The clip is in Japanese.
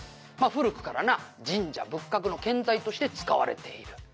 まあ古くからな神社仏閣の建材として使われている」